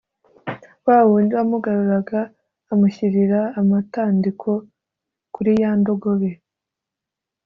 wa wundi wamugaruraga amushyirira amatandiko kuri ya ndogobe